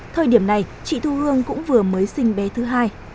thời điểm này chị thu hương cũng vừa mới sinh bé thứ hai